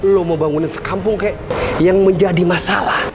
lo mau bangun sekampung kayak yang menjadi masalah